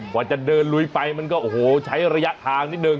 จะเดินลุยไปมันก็โอ้โหใช้ระยะทางนิดนึ